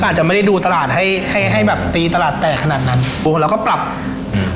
อาจจะไม่ได้ดูตลาดให้ให้แบบตีตลาดแตกขนาดนั้นโอ้เราก็ปรับอืม